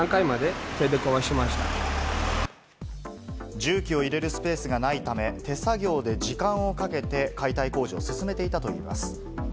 重機を入れるスペースがないため、手作業で時間をかけて解体工事を進めていたといいます。